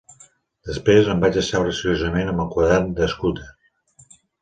Després, em vaig asseure seriosament amb el quadern de Scudder.